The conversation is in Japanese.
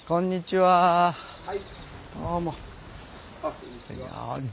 はい。